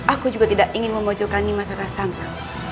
aku juga tidak ingin memilihnya